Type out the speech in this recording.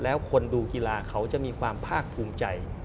แล้วคนดูกีฬาเขาจะมีความภาคภูมิใจ